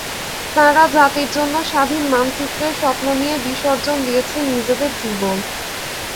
তাঁরা জাতির জন্য স্বাধীন মানচিত্রের স্বপ্ন নিয়ে বিসর্জন দিয়েছেন নিজেদের জীবন।